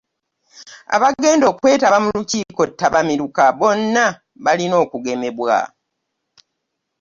Abagenda okwetaba mu lukiiko ttabamiruka bonna balina okugemebwa.